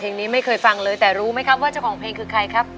เพลงนี้ไม่เคยฟังเลยแต่รู้ไหมครับว่าเจ้าของเพลงคือใครครับ